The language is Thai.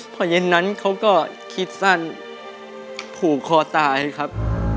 พอเย็นนั้นเขาก็คิดสั้นผูกคอตายครับ